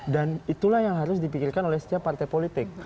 dan itulah yang harus dipikirkan oleh setiap partai politik